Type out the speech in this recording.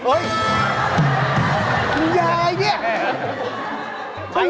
อุ๊ยคุณยายเนี่ยใช่ค่ะ